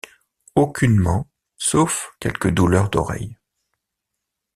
Aucunement, sauf quelques douleurs d’oreilles.